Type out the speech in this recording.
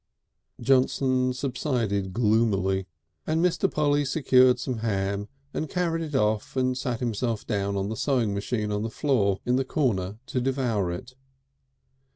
Johnson subsided gloomily, and Mr. Polly secured some ham and carried it off and sat himself down on the sewing machine on the floor in the corner to devour it.